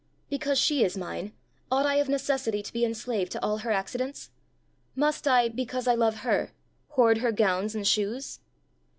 Because she is mine, ought I of necessity to be enslaved to all her accidents? Must I, because I love her, hoard her gowns and shoes?"